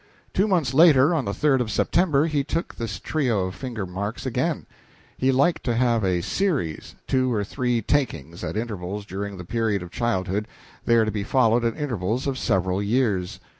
Two months later, on the 3d of September, he took this trio of finger marks again. He liked to have a "series," two or three "takings" at intervals during the period of childhood, these to be followed by others at intervals of several years.